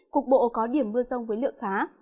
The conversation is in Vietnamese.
cục bộ có điểm mưa rông với lượng khá